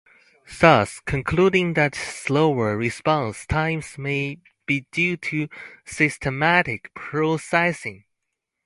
Thus concluding that slower response times may be due to systematic processing.